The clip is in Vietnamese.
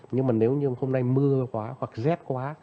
nhưng mà nếu như hôm nay mưa quá hoặc rét quá